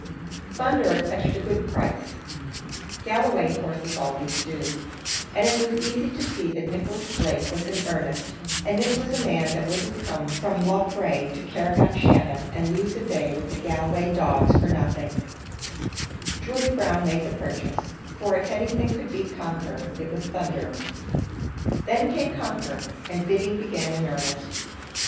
Thunderer fetched a good price; Galway horses always do; and it was easy to see that Nicholas Blake was in earnest, and Nick was a man that wouldn't come from Loughrea to Carrick on Shannon, and lose a day with the Galway dogs for nothing; George Brown made the purchase, for if anything could beat Conqueror it was Thunderer. Then came Conqueror, and bidding began in earnest.